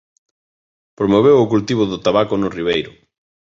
Promoveu o cultivo do tabaco no Ribeiro.